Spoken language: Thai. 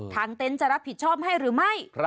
เต็นต์จะรับผิดชอบให้หรือไม่